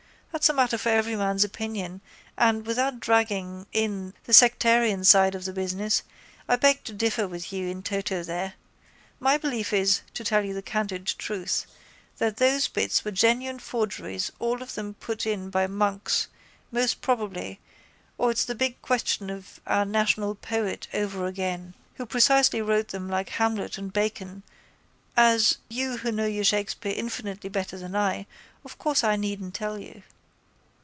That's a matter for everyman's opinion and, without dragging in the sectarian side of the business, I beg to differ with you in toto there. My belief is, to tell you the candid truth, that those bits were genuine forgeries all of them put in by monks most probably or it's the big question of our national poet over again, who precisely wrote them like Hamlet and Bacon, as, you who know your Shakespeare infinitely better than I, of course I needn't tell you.